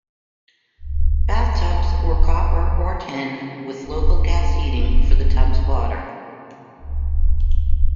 Bathtubs were copper or tin, with local gas heating for the tub's water.